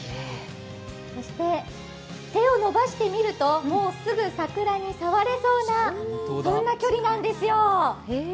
そして手を伸ばしてみるともうすぐ桜に触れそうな距離なんですよ。